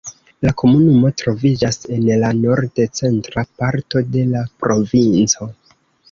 La komunumo troviĝas en la nord-centra parto de la provinco.